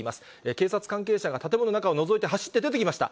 警察関係者が建物の中をのぞいて走って出てきました。